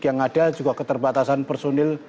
yang ada juga keterbatasan personil